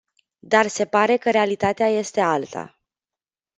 Dar se pare că realitatea este alta.